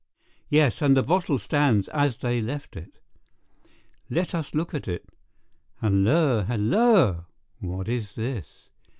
"Yes, and the bottle stands as they left it." "Let us look at it. Halloa, halloa! What is this?"